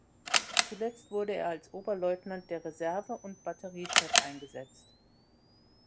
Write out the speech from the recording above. Zuletzt wurde er als Oberleutnant der Reserve und Batteriechef eingesetzt.